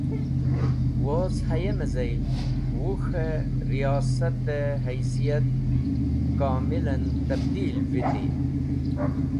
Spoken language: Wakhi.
Woz hayeme zail, Wuk̃he Riyasate haisiyat komilan tabdeel vity.